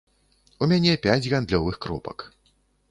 У мяне пяць гандлёвых кропак.